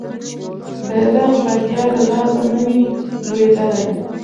بیرغ به بیا له لاسه نه وي لویدلی.